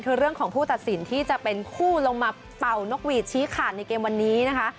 คือเรื่องของผู้ตัดสินที่จะเป็นผู้ลงมาเป่านกหวีดชี้ขาดในเกมวันนี้นะคะ